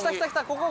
ここ